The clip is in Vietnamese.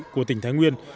của tỉnh thái nguyên